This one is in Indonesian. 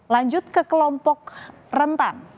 lanjut ke kelompok rentan